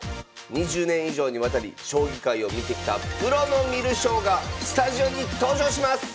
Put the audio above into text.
２０年以上にわたり将棋界を見てきたプロの観る将がスタジオに登場します！